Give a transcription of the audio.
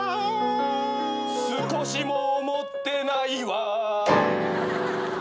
「少しも思ってないわ」